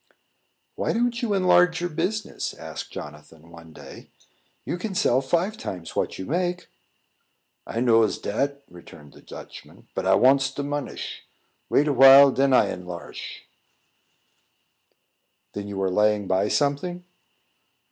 "Why don't you enlarge your business?" asked Jonathan, one day. "You can sell five times what you make." "I knows dat," returned the Dutchman, "but I wants de monish. Wait a while, den I enlarsh." "Then you are laying by something?"